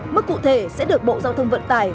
mức cụ thể sẽ được bộ giao thông vận tải